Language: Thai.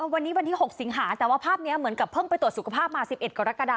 วันนี้วันที่๖สิงหาแต่ว่าภาพนี้เหมือนกับเพิ่งไปตรวจสุขภาพมา๑๑กรกฎา